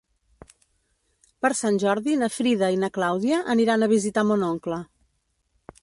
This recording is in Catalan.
Per Sant Jordi na Frida i na Clàudia aniran a visitar mon oncle.